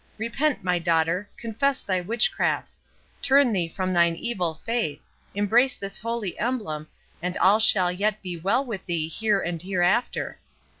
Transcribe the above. Repent, my daughter—confess thy witchcrafts—turn thee from thine evil faith—embrace this holy emblem, and all shall yet be well with thee here and hereafter.